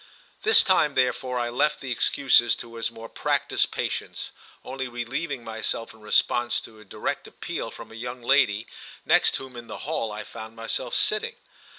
This time therefore I left the excuses to his more practised patience, only relieving myself in response to a direct appeal from a young lady next whom, in the hall, I found myself sitting.